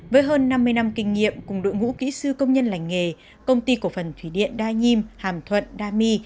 với hơn năm mươi năm kinh nghiệm cùng đội ngũ kỹ sư công nhân lành nghề công ty cổ phần thủy điện đa nhiêm hàm thuận đa my